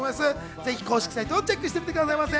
ぜひ公式サイトをチェックしてみてください。